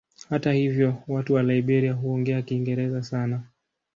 Hata hivyo watu wa Liberia huongea Kiingereza sana.